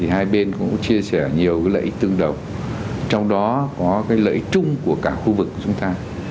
hai bên cũng chia sẻ nhiều lợi ích tương đồng trong đó có lợi chung của cả khu vực của chúng ta